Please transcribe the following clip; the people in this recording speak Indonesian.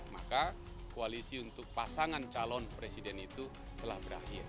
maka koalisi untuk pasangan calon presiden itu telah berakhir